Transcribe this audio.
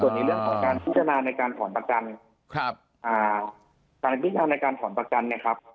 ส่วนนี้เรื่องของการพิจารณาในการผ่อนปัจจันครับอ่าการพิจารณาในการผ่อนปัจจันเนี่ยครับ